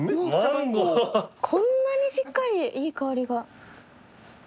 こんなにしっかりいい香りが。